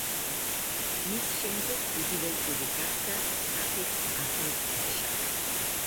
მის შემდეგ დიდი ვეზირი გახდა ჰაფიზ აჰმედ-ფაშა.